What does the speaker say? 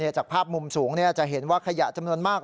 จากภาพมุมสูงจะเห็นว่าขยะจำนวนมาก